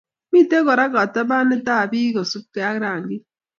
Mitei kora katabanetab bik kosubkei ak rangik